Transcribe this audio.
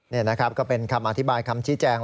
นี่นะครับก็เป็นคำอธิบายคำชี้แจง